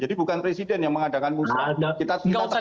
jadi bukan presiden yang mengandalkan musrah